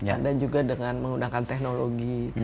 anda juga dengan menggunakan teknologi